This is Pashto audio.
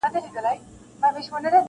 • په یوه شان وه د دواړو معاسونه..